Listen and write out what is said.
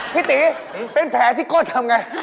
พี่ตีเป็นแผลที่กดทำอย่างไร